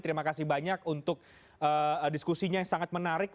terima kasih banyak untuk diskusinya yang sangat menarik